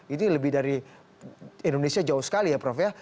ini lebih dari indonesia jauh sekali ya prof ya